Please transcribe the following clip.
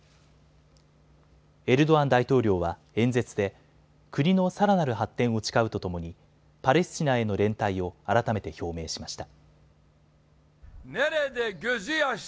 エルドアン大統領は演説で国のさらなる発展を誓うとともにパレスチナへの連帯を改めて表明しました。